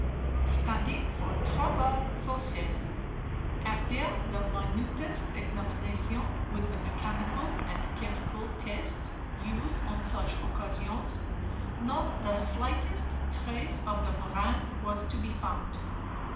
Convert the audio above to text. standing for Travaux Forces. After the minutest examination with the mechanical and chemical tests used on such occasions, not the slightest trace of the brand was to be found.